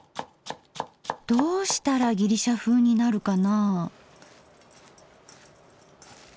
どうしたらギリシャふうになるかな？